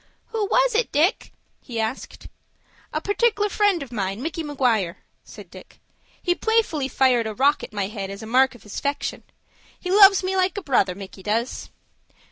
"Who was it, Dick?" he asked. "A partic'lar friend of mine, Micky Maguire," said Dick. "He playfully fired a rock at my head as a mark of his 'fection. He loves me like a brother, Micky does."